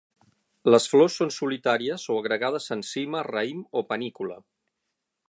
Les flors són solitàries o agregades en cima, raïm o panícula.